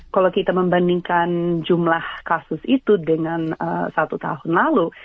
kalau kita membandingkan jumlah kasus itu dengan satu tahun lalu